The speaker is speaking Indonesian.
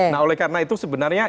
nah oleh karena itu sebenarnya